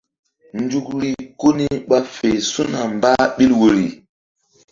Nzukri ko ni ɓa fe su̧na mbah ɓil woyri.